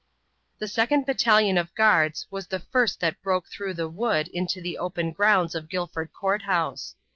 The second battalion of guards was the first that broke through the wood into the open grounds of Guilford Court House.